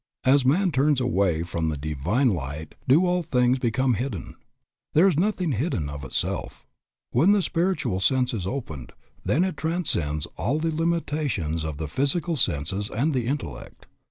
As man turns away from the Divine Light do all things become hidden. There is nothing hidden of itself. When the spiritual sense is opened, then it transcends all the limitations of the physical senses and the intellect.